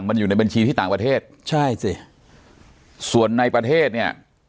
แบบที่บอกเนี่ย